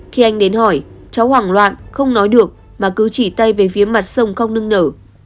khi anh đến hỏi cháu hoảng loạn không nói được mà cứ chỉ tay về phía mặt sông không nương nở